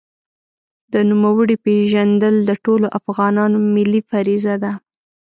د نوموړي پېژندل د ټولو افغانانو ملي فریضه ده.